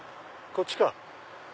こっちか。